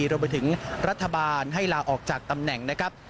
รวมไปถึงรัฐบาลให้ลาออกจากตำแหน่งนะครับ